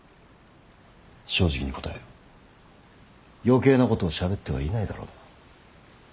余計なことをしゃべってはいないだろうな。